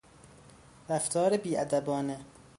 رفتار بیادبانه